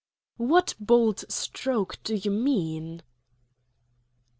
"What bold stroke do you mean?"